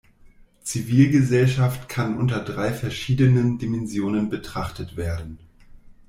Zivilgesellschaft kann unter drei verschiedenen Dimensionen betrachtet werden.